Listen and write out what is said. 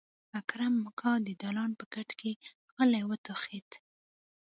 اکرم اکا د دالان په کټ کې غلی وټوخېد.